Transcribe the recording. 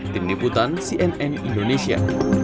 tim diputan cnn indonesia